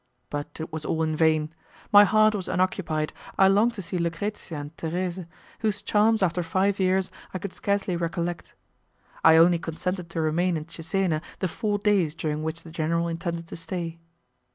But it was all in vain. My heart was unoccupied; I longed to see Lucrezia and Thérèse, whose charms after five years I could scarcely recollect. I only consented to remain in Cesena the four days during which the general intended to stay.